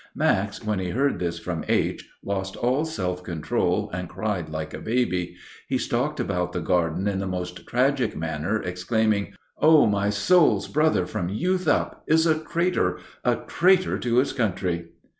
Max, when he heard this from H., lost all self control and cried like a baby. He stalked about the garden in the most tragic manner, exclaiming: "Oh! my soul's brother from youth up is a traitor! A traitor to his country!"